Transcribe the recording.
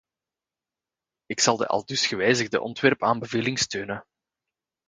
Ik zal de aldus gewijzigde ontwerpaanbeveling steunen.